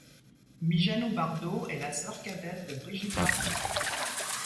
Mijanou Bardot est la sœur cadette de Brigitte Bardot.